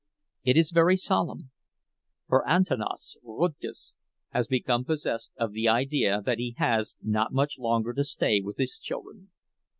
It is very solemn, for Antanas Rudkus has become possessed of the idea that he has not much longer to stay with his children.